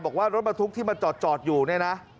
บอกว่ารถบรรทุกที่มาจอดอยู่เนี่ยนะ